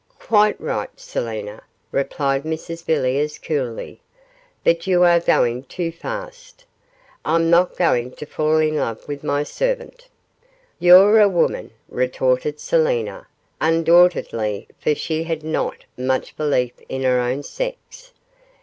'Quite right, Selina,' replied Mrs Villiers, coolly; 'but you are going too fast. I'm not going to fall in love with my servant.' 'You're a woman,' retorted Selina, undauntedly, for she had not much belief in her own sex.